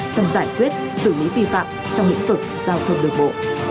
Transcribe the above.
trong giải thuyết xử lý vi phạm trong những tổng giao thông đường bộ